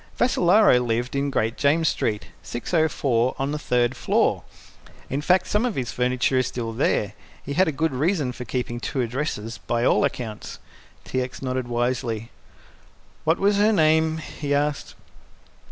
Vassalaro lived in Great James Street, 604, on the third floor. In fact, some of his furniture is there still. He had a good reason for keeping two addresses by all accounts." T. X. nodded wisely. "What was her name?" he asked.